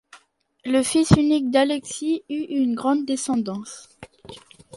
Le fils unique d'Alexis eut une grande descendance.